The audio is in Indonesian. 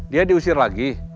dia diusir lagi